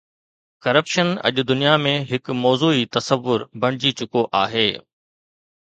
Corruption اڄ دنيا ۾ هڪ موضوعي تصور بڻجي چڪو آهي.